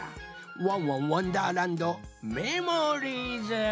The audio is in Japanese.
「ワンワンわんだーらんどメモリーズ」。